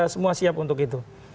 semua siap untuk itu